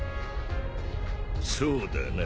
そうだな。